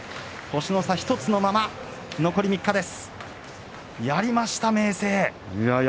星の差１つのまま残り３日です。